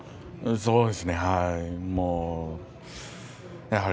そうですね、はい。